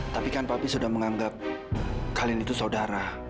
tapi kan papi sudah menganggap kalian itu saudara